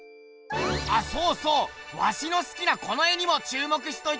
あそうそうワシのすきなこの絵にも注目しといてくれ。